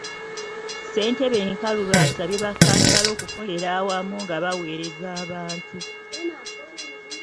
Ssentebe Nkalubo asabye bakkansala okukolera awamu nga baweereza abantu.